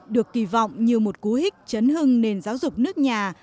được kỳ vọng như một cú hích chấn hưng nền giáo dục nước nhà